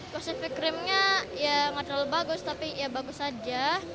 pasifik rimnya ya gak terlalu bagus tapi ya bagus aja